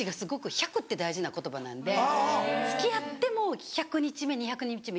１００って大事な言葉なんで付き合ってもう１００日目２００日目。